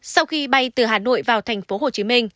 sau khi bay từ hà nội vào thành phố hồ chí minh